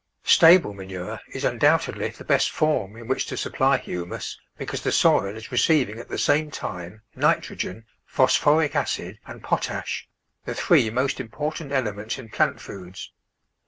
Stable manure is undoubtedly the best form in HOW TO MAINTAIN FERTILITY which to supply humus, because the soil is receiv ing at the same time nitrogen, phosphoric acid, and potash, the three most important elements in plant foods.